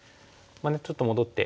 ちょっと戻って。